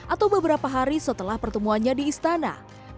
atau beberapa hari setelah pertemuannya di istana